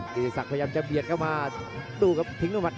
ติศักดิ์พยายามจะเบียดเข้ามาดูครับทิ้งด้วยมัด